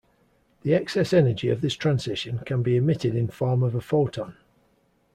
The excess energy of this transition can be emitted in form of a photon.